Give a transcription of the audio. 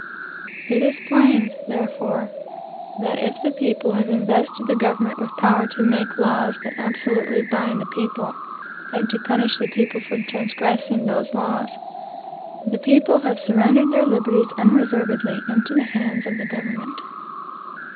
It is plain, therefore, that if the people have invested the government with power to make laws that absolutely bind the people, and to punish the people for transgressing those laws, the people have surrendered their liberties unreservedly into the hands of the government.